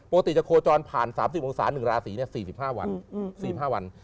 ปกติจะโฆจรผ่าน๓๐องศ้านึงราศี๔๕วัน